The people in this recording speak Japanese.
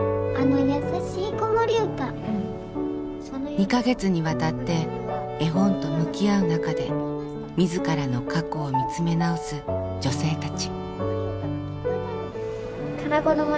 ２か月にわたって絵本と向き合う中で自らの過去を見つめ直す女性たち。